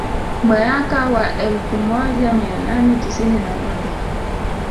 Mweaka wa elfu moja mia nane tisini na moja